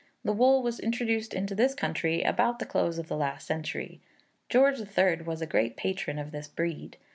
The wool was introduced into this country about the close of the last century. George III. was a great patron of this breed.